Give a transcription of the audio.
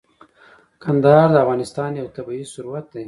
کندهار د افغانستان یو طبعي ثروت دی.